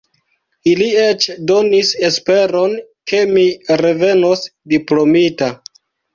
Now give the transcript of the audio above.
Ili eĉ donis esperon, ke mi revenos diplomita.